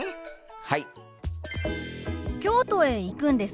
はい。